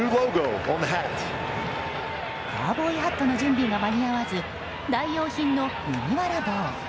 カウボーイハットの準備が間に合わず代用品の麦わら帽。